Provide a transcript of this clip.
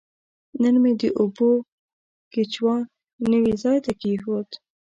نن مې د اوبو کیچوا نوي ځای ته کیښود.